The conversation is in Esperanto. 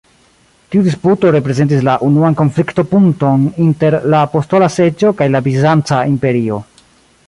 Tiu disputo reprezentis la unuan konflikto-punkton inter la Apostola Seĝo kaj la bizanca imperio.